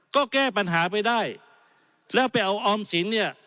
ก็แก้ปัญหาไปได้แล้วไปเอาออมสินเนี่ย